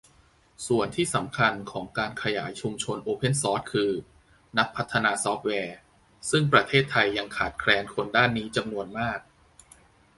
ส่วนที่สำคัญของการขยายชุมชนโอเพ่นซอร์สคือ นักพัฒนาซอร์ฟแวร์ ซึ่งประเทศไทยยังขาดแคลนคนด้านนี้จำนวนมาก